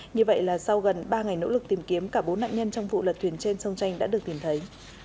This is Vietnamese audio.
như vậy là sau gần ba ngày nỗ lực tìm kiếm cả bốn nạn nhân trong vụ lật thuyền trên sông tranh đã được tìm thấy